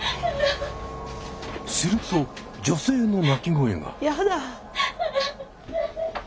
すると女性の泣き声が。